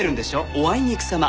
おあいにくさま。